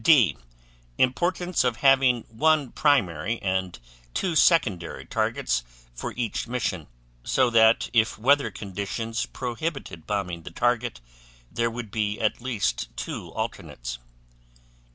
D. Importance of having one primary and two secondary targets for each mission, so that if weather conditions prohibited bombing the target there would be at least two alternates.